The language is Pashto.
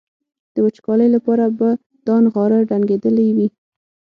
د وچکالۍ لپاره به دا نغاره ډنګېدلي وي.